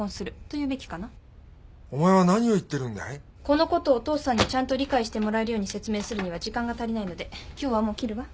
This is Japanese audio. このことをお父さんにちゃんと理解してもらえるように説明するには時間が足りないので今日はもう切るわ。